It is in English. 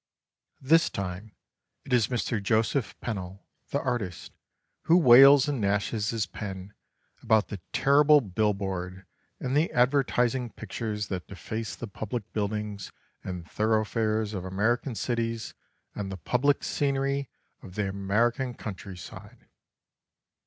This time it is Mr. Joseph Pennell, the artist, who wails and gnashes his pen about the terrible bill board and advertising pictures that deface the public buildings and thoroughfares of American cities and the public scenery of the American countryside.